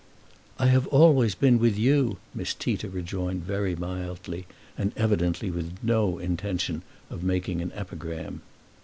"I have always been with you," Miss Tita rejoined very mildly, and evidently with no intention of making an epigram.